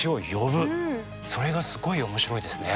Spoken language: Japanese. それがすごい面白いですね。